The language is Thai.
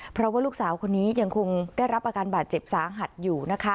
เพราะว่าลูกสาวคนนี้ยังคงได้รับอาการบาดเจ็บสาหัสอยู่นะคะ